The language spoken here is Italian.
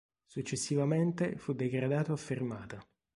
Successivamente fu degradato a fermata.